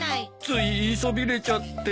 つい言いそびれちゃって。